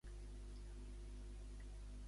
Creu que triomfarà l'independentisme a Barcelona?